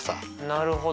なるほど。